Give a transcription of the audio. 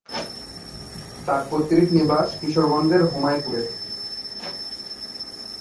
তার পৈতৃক নিবাস কিশোরগঞ্জের হোমাইপুরে।